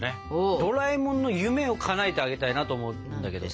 ドラえもんの夢をかなえてあげたいなと思うんだけどさ。